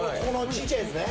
ちっちゃいやつね。